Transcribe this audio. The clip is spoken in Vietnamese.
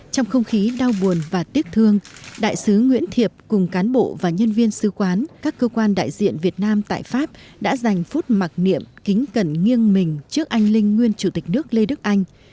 trong không khí đau buồn và tiếc thương đại sứ nguyễn thiệp cùng cán bộ và nhân viên sư quán các cơ quan đại diện việt nam tại pháp đã dành phút mặc niệm kính cẩn nghiêng mình trước anh linh nguyên chủ tịch nước lê đức anh